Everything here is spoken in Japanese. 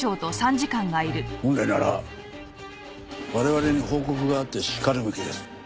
本来なら我々に報告があってしかるべきです。